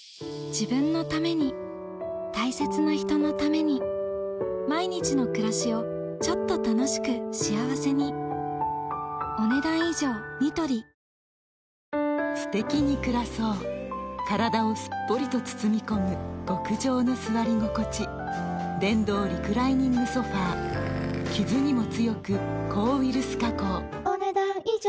自分のために大切な人のために毎日の暮らしをちょっと楽しく幸せにすてきに暮らそう体をすっぽりと包み込む極上の座り心地電動リクライニングソファ傷にも強く抗ウイルス加工お、ねだん以上。